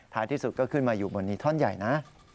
ที่สุดก็ขึ้นมาอยู่บนนี้ท่อนใหญ่นะ